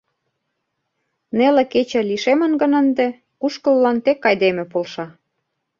Неле кече лишемын гын ынде, Кушкыллан тек айдеме полша.